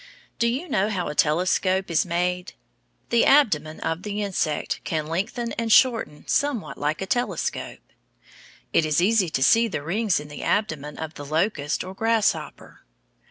Do you know how a telescope is made? The abdomen of the insect can lengthen and shorten somewhat like a telescope. It is easy to see the rings in the abdomen of the locust or grasshopper.